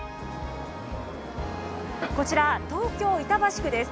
こちら、東京・板橋区です。